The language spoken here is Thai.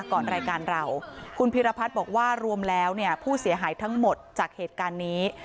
ก่อนรายการเราคุณพิรพัฒน์บอกว่ารวมแล้วเนี่ยผู้เสียหายทั้งหมดจากเหตุการณ์นี้